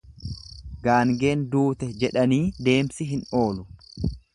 Gaangeen duute jedhanii deemsi hin oolu.